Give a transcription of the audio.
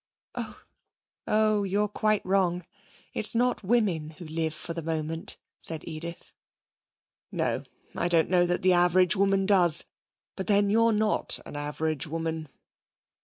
'Oh, oh! You're quite wrong. It's not women who live for the moment,' said Edith. 'No, I don't know that the average woman does. But then you're not an average woman.'